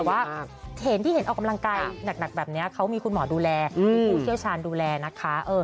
แต่ว่าเห็นที่เห็นออกกำลังกายหนักแบบนี้เขามีคุณหมอดูแลมีผู้เชี่ยวชาญดูแลนะคะ